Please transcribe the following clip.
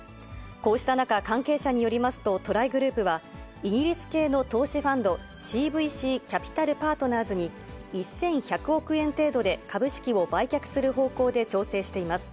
こうした中、関係者によりますとトライグループは、イギリス系の投資ファンド、ＣＶＣキャピタル・パートナーズに、１１００億円程度で株式を売却する方向で調整しています。